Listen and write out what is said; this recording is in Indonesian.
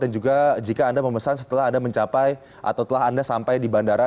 dan juga jika anda memesan setelah anda mencapai atau telah anda sampai di bandara